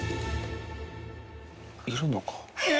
いるのか？